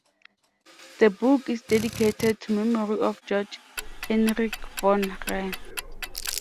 The book is dedicated to memory of Georg Henrik von Wright.